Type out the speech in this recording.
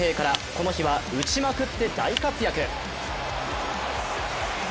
この日は打ちまくって大活躍。